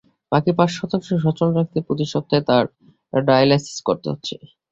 বাকি পাঁচ শতাংশ সচল রাখতে প্রতি সপ্তাহে তাঁর ডায়ালাইসিস করতে হচ্ছে।